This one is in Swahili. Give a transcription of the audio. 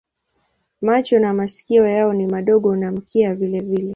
Macho na masikio yao ni madogo na mkia vilevile.